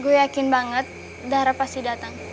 gue yakin banget dara pasti dateng